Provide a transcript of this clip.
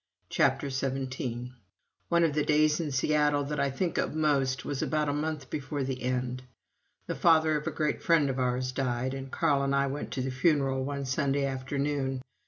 CHAPTER XVII One of the days in Seattle that I think of most was about a month before the end. The father of a great friend of ours died, and Carl and I went to the funeral one Sunday afternoon.